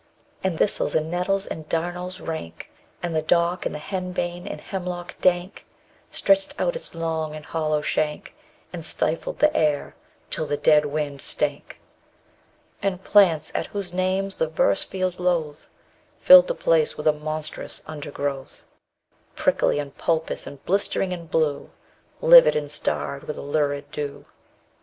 And thistles, and nettles, and darnels rank, And the dock, and henbane, and hemlock dank, _55 Stretched out its long and hollow shank, And stifled the air till the dead wind stank. And plants, at whose names the verse feels loath, Filled the place with a monstrous undergrowth, Prickly, and pulpous, and blistering, and blue, _60 Livid, and starred with a lurid dew.